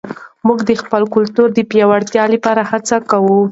موږ د خپل کلتور د پیاوړتیا لپاره هڅه کوو.